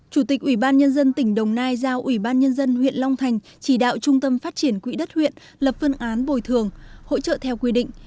chủ tịch ủy ban nhân dân tỉnh đồng nai giao ủy ban nhân dân huyện long thành chỉ đạo trung tâm phát triển quỹ đất huyện lập phương án bồi thường hỗ trợ theo quy định